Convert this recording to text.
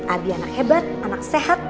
abi anak hebat anak sehat